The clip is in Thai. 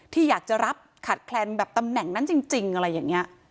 ที่อยากจะรับขาดแคลนแบบตำแหน่งนั้นจริงอะไรอย่างนี้